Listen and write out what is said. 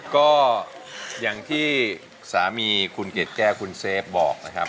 ก็อย่างที่สามีคุณเกดแก้วคุณเซฟบอกนะครับ